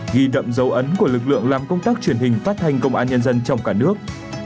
ghi đậm dấu ấn của lực lượng làm công tác truyền hình phát thanh công an nhân dân trong cả nước